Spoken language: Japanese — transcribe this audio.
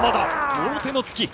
もろ手の突き。